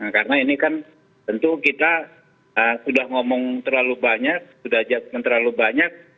karena ini kan tentu kita sudah ngomong terlalu banyak sudah jadikan terlalu banyak